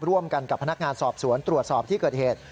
ร่วมกันกับพนักงานสอบสวนตรวจสอบที่เกิดเหตุ